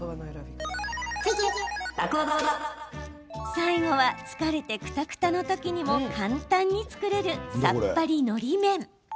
最後は、疲れてくたくたの時にも簡単に作れるさっぱりのり麺。